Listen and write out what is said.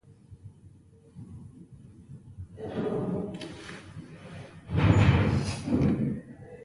د نوبل جایزې ګټونکي پاول ساموېلسن وړاندوینه کوله